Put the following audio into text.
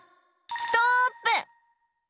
ストップ！